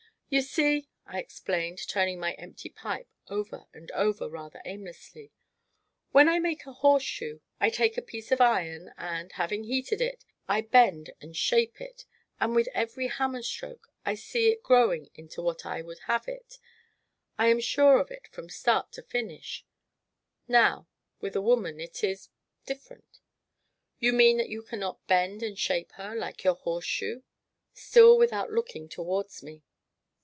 "You see," I explained, turning my empty pipe over and over, rather aimlessly, "when I make a horseshoe I take a piece of iron and, having heated it, I bend and shape it, and with every hammer stroke I see it growing into what I would have it I am sure of it, from start to finish; now, with a woman it is different." "You mean that you cannot bend, and shape her, like your horseshoe?" still without looking towards me.